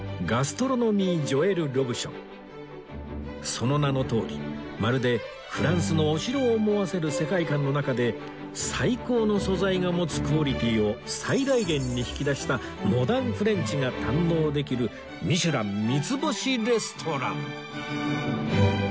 その名のとおりまるでフランスのお城を思わせる世界観の中で最高の素材が持つクオリティーを最大限に引き出したモダンフレンチが堪能できるミシュラン三つ星レストラン